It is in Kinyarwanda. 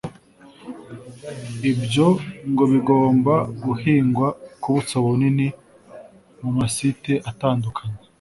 Ibyo ngo bigomba guhingwa ku buso bunini ku ma site atandukanye